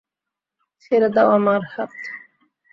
ছেড়ে দাও আমার হাত!